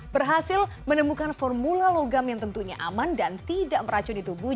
berhasil menemukan formula logam yang tentunya aman dan tidak meracun di tubuhnya